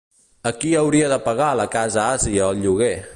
A qui hauria de pagar la Casa Àsia el lloguer?